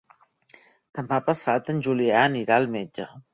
Demà passat en Julià anirà al metge.